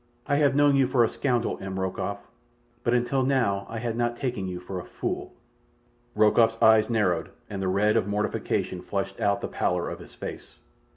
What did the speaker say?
I have known you for a scoundrel, M. Rokoff; but until now I had not taken you for a fool." Rokoff's eyes narrowed, and the red of mortification flushed out the pallor of his face.